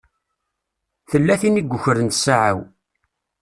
Tella tin i yukren ssaɛa-w.